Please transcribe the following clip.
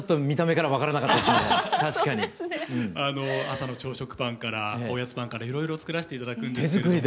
朝の朝食パンからおやつパンからいろいろ作らして頂くんですけれども。